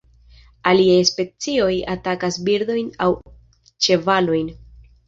Aliaj specioj atakas birdojn aŭ ĉevalojn.